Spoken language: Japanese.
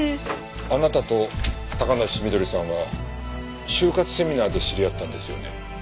あなたと高梨翠さんは終活セミナーで知り合ったんですよね？